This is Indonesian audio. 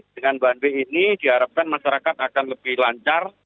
dengan banb ini diharapkan masyarakat akan lebih lancar